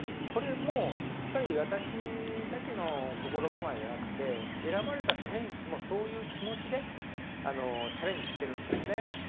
これもやっぱり私だけの心構えじゃなくて、選ばれた選手もそういう気持ちでチャレンジしているんですね。